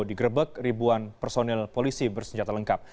digrebek ribuan personil polisi bersenjata lengkap